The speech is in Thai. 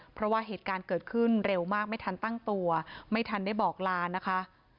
เพราะว่าเหตุการณ์เกิดขึ้นเร็วมากไม่ทันตั้งตัวไม่ทันได้บอกลานะคะ